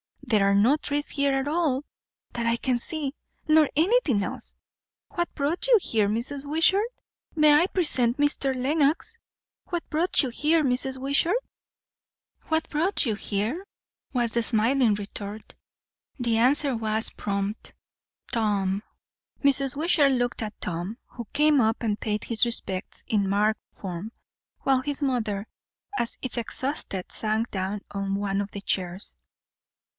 There are no trees here at all, that I can see, nor anything else. What brought you here, Mrs. Wishart? May I present Mr. Lenox? What brought you here, Mrs. Wishart?" "What brought you here?" was the smiling retort. The answer was prompt. "Tom." Mrs. Wishart looked at Tom, who came up and paid his respects in marked form; while his mother, as if exhausted, sank down on one of the chairs.